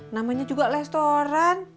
namanya juga restoran